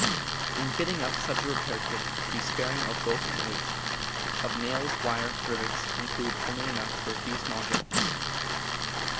In fitting up such a repair kit, be sparing of bulk and weight. Of nails, wire, rivets, include only enough for a few small jobs.